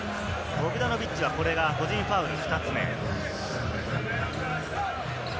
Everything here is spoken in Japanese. ボグダノビッチはこれが個人ファウル、２つ目。